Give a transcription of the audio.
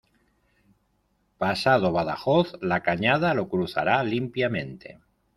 Pasado Badajoz la Cañada lo cruzará limpiamente.